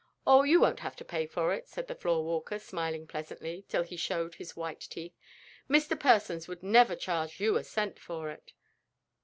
"Oh, you won't have to pay for it," said the floor walker, smiling pleasantly, till he showed his white teeth. "Mr. Persons wouldn't ever charge you a cent for it."